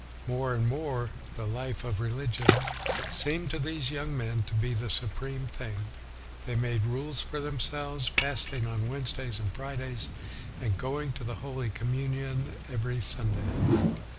More and more, the life of religion seemed to these young men to be the supreme thing. They made rules for themselves, fasting on Wednesdays and Fridays, and going to the Holy Communion every Sunday.